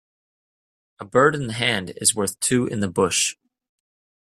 A bird in the hand is worth two in the bush.